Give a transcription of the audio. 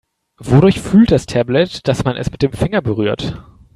Wodurch fühlt das Tablet, dass man es mit dem Finger berührt?